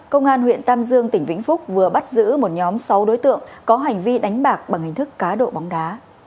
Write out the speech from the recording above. công an huyện tam dương tỉnh vĩnh phúc vừa bắt giữ một nhóm sáu đối tượng có hành vi đánh bạc bằng hình thức cá độ bóng đá